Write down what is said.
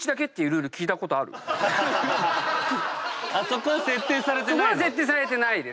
そこは設定されてないの？